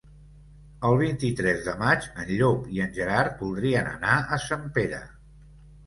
El vint-i-tres de maig en Llop i en Gerard voldrien anar a Sempere.